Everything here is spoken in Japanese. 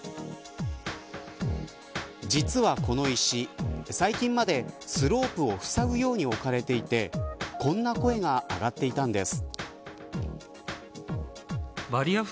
実はこの石最近まで、スロープをふさぐように置かれていてこんな声が上がっていたんです。